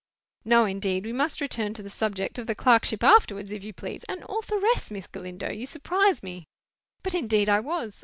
'" "No, indeed; we must return to the subject of the clerkship afterwards, if you please. An authoress, Miss Galindo! You surprise me!" "But, indeed, I was.